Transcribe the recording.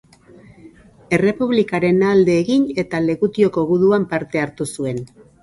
Errepublikaren alde egin eta Legutioko guduan parte hartu zuen.